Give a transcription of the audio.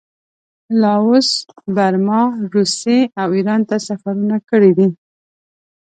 لاوس، برما، روسیې او ایران ته سفرونه کړي دي.